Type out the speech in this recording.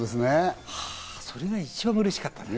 ハァ、それが一番うれしかったね。